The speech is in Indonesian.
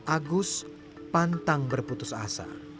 agus pantang berputus asa